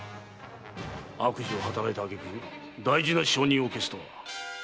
悪事を働いたあげく大事な証人を消すとは。